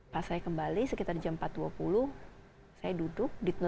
pas saya kembali sekitar jam empat dua puluh saya duduk